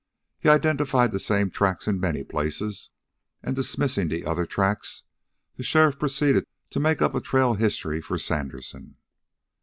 He identified the same tracks in many places, and, dismissing the other tracks, the sheriff proceeded to make up a trail history for Sandersen.